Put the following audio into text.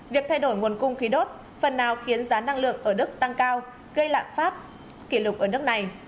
việc thay đổi nguồn cung khí đốt phần nào khiến giá năng lượng ở đức tăng cao gây lãng pháp kỷ lục ở nước này